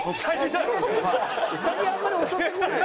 ウサギあんまり襲ってこない。